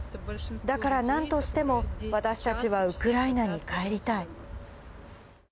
だからなんとしても、私たちはウクライナに帰りたい。